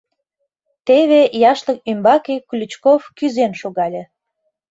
Теве яшлык ӱмбаке Ключков кӱзен шогале.